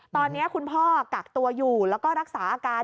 ตอนนี้คุณพ่อกักตัวอยู่แล้วก็รักษาอาการ